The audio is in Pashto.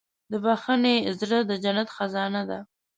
د بښنې زړه د جنت خزانه ده.